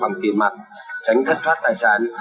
bằng tiền mặt tránh thất thoát tài sản